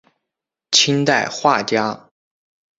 清代画家。